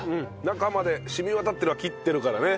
中まで染み渡ってるわ切ってるからね。